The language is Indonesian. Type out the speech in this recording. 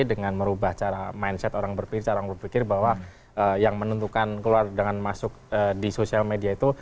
dengan merubah cara mindset orang berpikir cara berpikir bahwa yang menentukan keluar dengan masuk di sosial media itu